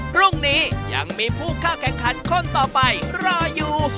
พรุ่งนี้ยังมีผู้เข้าแข่งขันคนต่อไปรออยู่